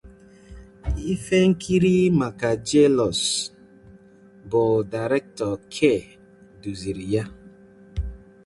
Ihe nkiri maka "Jealous" bụ Director K duziri ya.